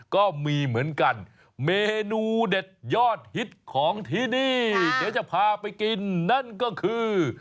ก็มีเหมือนกันเมนูเด็ดยอดฮิตของที่นี่เดี๋ยวจะพาไปกินนั่นก็คือ